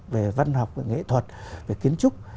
về văn học về nghệ thuật về kiến trúc